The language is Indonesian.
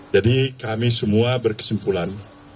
jadi kami semua berkesimpulan